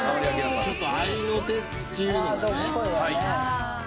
ちょっと合いの手っていうのがね。